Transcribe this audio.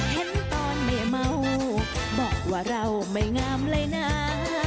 เห็นตอนไม่เมาบอกว่าเราไม่งามเลยนะ